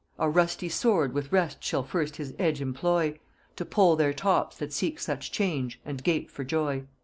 Our rusty sword with rest shall first his edge employ, To poll their tops that seek such change, and gape for joy.